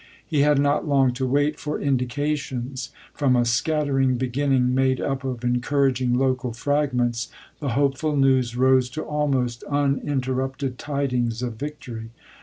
He had not long to wait for indications. From a scattering beginning, made up of encouraging local fragments, the hopeful news rose to almost un interrupted tidings of victory.